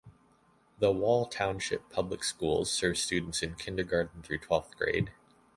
The Wall Township Public Schools serve students in kindergarten through twelfth grade.